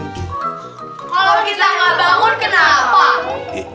kalo kita gak bangun kenapa